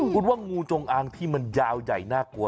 คุณว่างูจงอางที่มันยาวใหญ่น่ากลัว